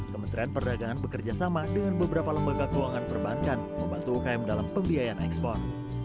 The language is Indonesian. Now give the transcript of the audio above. kementerian perdagangan bekerjasama dengan beberapa lembaga keuangan perbankan membantu ukm dalam pembiayaan ekspor